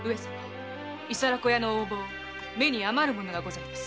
伊皿子屋の横暴目に余るものがございます。